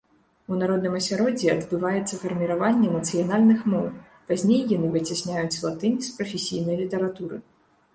У народным асяроддзі адбываецца фарміраванне нацыянальных моў, пазней яны выцясняюць латынь з прафесійнай літаратуры.